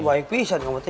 gak ada juga ini